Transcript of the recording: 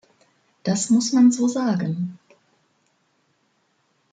Das muss man so sagen.